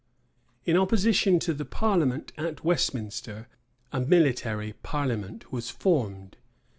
In opposition to the parliament at Westminster, a military parliament was formed.